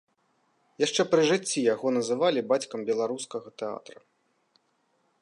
Яшчэ пры жыцці яго называлі бацькам беларускага тэатра.